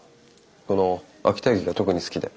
この「秋田雪」が特に好きで。